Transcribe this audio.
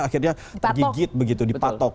akhirnya digigit begitu dipatok